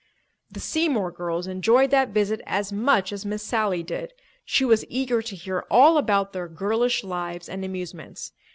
The Seymour girls enjoyed that visit as much as Miss Sally did. She was eager to hear all about their girlish lives and amusements.